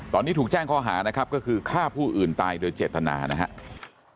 ตอนนี้ถูกแจ้งข้อหานะครับก็คือฆ่าผู้อื่นตายโดยเจตนานะครับ